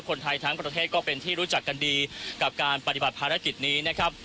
คนไทยทั้งประเทศก็เป็นที่รู้จักกันดีกับการปฏิบัติภารกิจนี้นะครับ